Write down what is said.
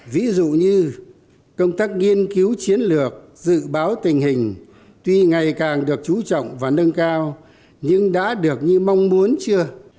ví dụ như công tác nghiên cứu chiến lược dự báo tình hình tuy ngày càng được chú trọng và nâng cao nhưng đã được như mong muốn chưa